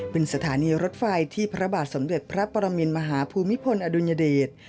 เป็นสถานีรถไฟที่พระบาทสมเด็จพระปรมินมหาภูมิพลอดุลยเดช